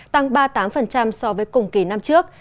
tăng ba mươi tám so với cùng kỳ năm trước